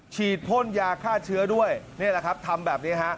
ฉีดพ่นยาฆ่าเชื้อด้วยนี่แหละครับทำแบบนี้ฮะ